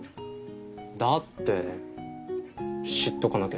だって知っとかなきゃじゃん。